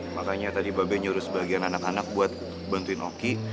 makanya tadi babe nyuruh sebagian anak anak buat bantuin oki